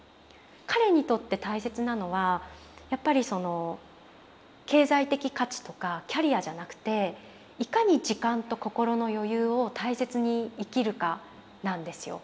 彼にとって大切なのはやっぱりその経済的価値とかキャリアじゃなくていかに時間と心の余裕を大切に生きるかなんですよ。